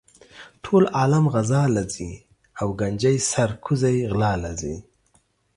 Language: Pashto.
ټول عالم غزا لہ ځی او ګنجي سر کوزے غلا لہ ځی